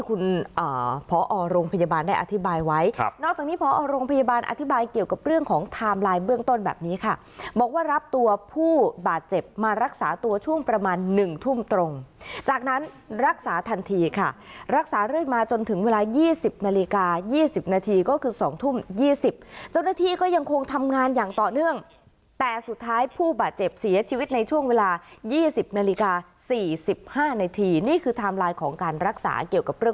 คุณพอโรงพยาบาลได้อธิบายไว้นอกจากนี้พอโรงพยาบาลอธิบายเกี่ยวกับเรื่องของไทม์ไลน์เบื้องต้นแบบนี้ค่ะบอกว่ารับตัวผู้บาดเจ็บมารักษาตัวช่วงประมาณ๑ทุ่มตรงจากนั้นรักษาทันทีค่ะรักษาเรื่อยมาจนถึงเวลา๒๐นาฬิกา๒๐นาทีก็คือ๒ทุ่ม๒๐นาทีก็ยังคงทำงานอย่างต่อเ